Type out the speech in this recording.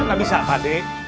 paket gak bisa pak dek